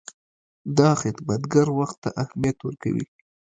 دا خدمتګر وخت ته اهمیت ورکوي.